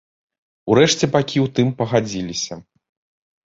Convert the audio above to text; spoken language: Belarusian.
Урэшце бакі ў тым пагадзіліся.